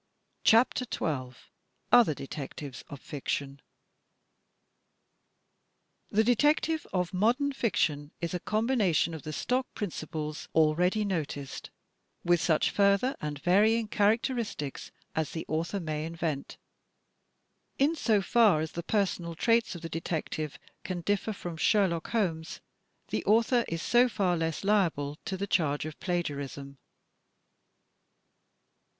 CHAPTER XII OTHER DETECTIVES OF FICTION The detective of modern fiction is a combination of the stock principles already noticed with such further and vary ing characteristics as the author may invent. In so far as the personal traits of the detective can differ from Sherlock Holmes, the author is so far less liable to the charge of plagiarism.